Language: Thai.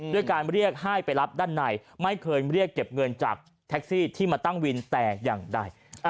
ด้วยการเรียกให้ไปรับด้านในไม่เคยเรียกเก็บเงินจากแท็กซี่ที่มาตั้งวินแต่อย่างใด